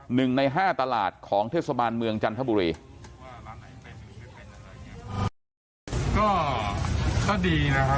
หนึ่งใน๕ตลาดของเทศบาลเมืองจันทบุรี